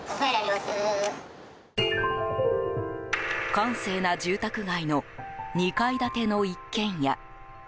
閑静な住宅街の２階建ての一軒家。